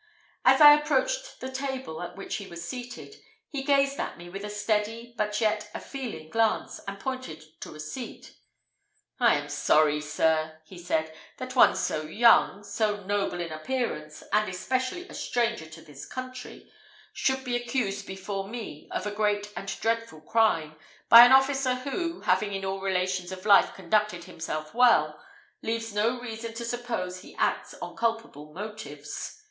As I approached the table at which he was seated, he gazed at me with a steady, but yet a feeling glance, and pointed to a seat: "I am sorry, sir," he said, "that one so young, so noble in appearance, and especially a stranger to this country, should be accused before me of a great and dreadful crime, by an officer who, having in all relations of life conducted himself well, leaves no reason to suppose he acts on culpable motives.